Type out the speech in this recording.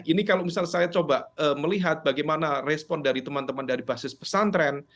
ini kalau misalnya saya coba melihat bagaimana respon dari teman teman dari basis pesantren